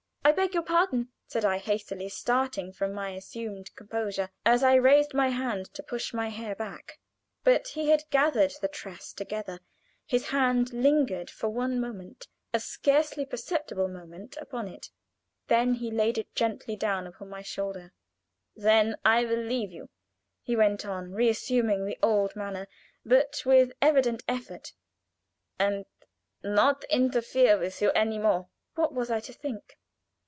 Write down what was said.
"I beg your pardon!" said I, hastily, started from my assumed composure, as I raised my hand to push my hair back. But he had gathered the tress together his hand lingered for one moment a scarcely perceptible moment upon it, then he laid it gently down upon my shoulder. "Then I will leave you," he went on, resuming the old manner, but with evident effort, "and not interfere with you any more." What was I to think?